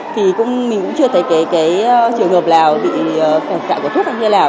thì mình cũng chưa thấy cái trường hợp nào cái phản xạ của thuốc như thế nào